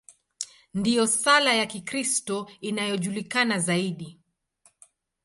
Ndiyo sala ya Kikristo inayojulikana zaidi.